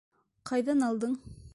Ҡайҙан алдың?